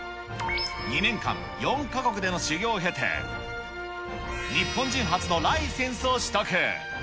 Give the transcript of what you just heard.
２年間、４か国での修行を経て、日本人初のライセンスを取得。